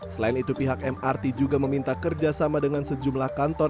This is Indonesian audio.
selain itu pihak mrt juga meminta kerjasama dengan sejumlah kantor